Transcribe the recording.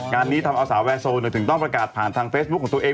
งานนี้ทำเอาสาวแวนโซลถึงต้องประกาศผ่านทางเฟซบุ๊คของตัวเอง